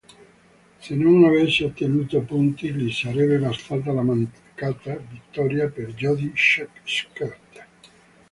Se non avesse ottenuto punti gli sarebbe bastata la mancata vittoria per Jody Scheckter.